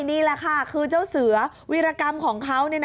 นี่แหละค่ะคือเจ้าเสือวิรกรรมของเขา